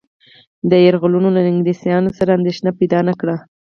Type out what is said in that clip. دې یرغلونو له انګلیسيانو سره اندېښنه پیدا نه کړه.